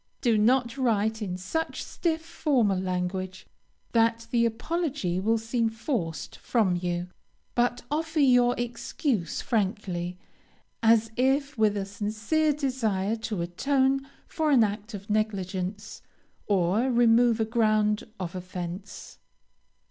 Do not write in such stiff, formal language that the apology will seem forced from you, but offer your excuse frankly, as if with a sincere desire to atone for an act of negligence, or remove a ground of offence.